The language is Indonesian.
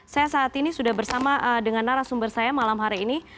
saya saat ini sudah bersama dengan narasumber saya malam hari ini